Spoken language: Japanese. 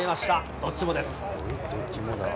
どっちもだ。